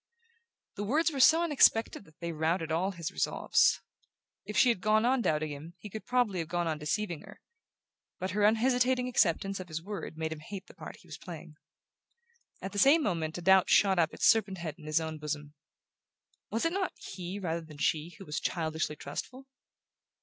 The words were so unexpected that they routed all his resolves. If she had gone on doubting him he could probably have gone on deceiving her; but her unhesitating acceptance of his word made him hate the part he was playing. At the same moment a doubt shot up its serpent head in his own bosom. Was it not he rather than she who was childishly trustful?